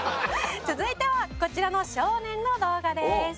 「続いてはこちらの少年の動画です」